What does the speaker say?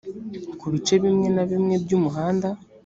ku bice bimwe na bimwe by umuhanda